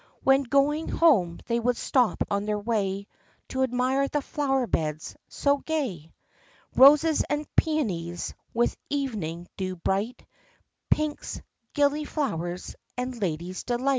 When going home, they would stop on their way, To admire the flower beds so gay, — Roses and peonies, with evening dew bright; Pinks, gillyflowers, and ladies' delight.